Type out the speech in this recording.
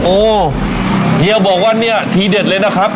โอ้เฮียบอกว่าเนี่ยทีเด็ดเลยนะครับ